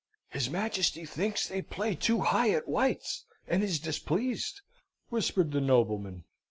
"His Majesty thinks they play too high at White's, and is displeased," whispered the nobleman.